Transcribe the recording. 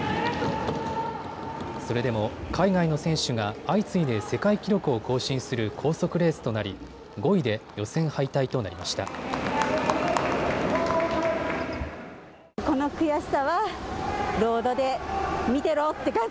それでも、海外の選手が相次いで世界記録を更新する高速レースとなり、５位で予選敗退となりました。